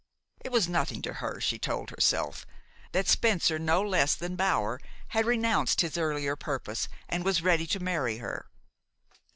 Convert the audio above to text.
It was nothing to her, she told herself, that Spencer no less than Bower had renounced his earlier purpose, and was ready to marry her.